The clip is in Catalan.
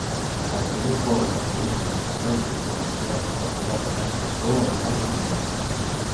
El primer pou petrolífer amb èxit comercial perforat a Kansas fou el Norman núm.